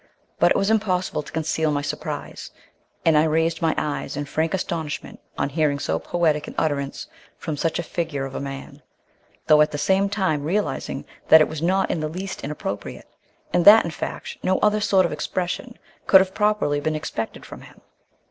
But it was impossible to conceal my surprise, and I raised my eyes in frank astonishment on hearing so poetic an utterance from such a figure of a man, though at the same time realising that it was not in the least inappropriate, and that, in fact, no other sort of expression could have properly been expected from him.